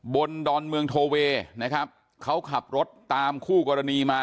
ดอนเมืองโทเวนะครับเขาขับรถตามคู่กรณีมา